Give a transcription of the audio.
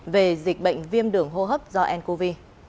về dịch bệnh viêm đường hô hấp do ncov